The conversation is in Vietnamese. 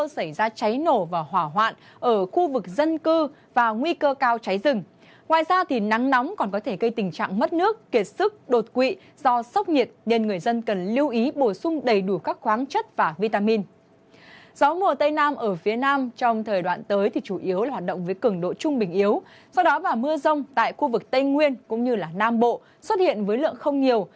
sau đó và mưa rông tại khu vực tây nguyên cũng như nam bộ xuất hiện với lượng không nhiều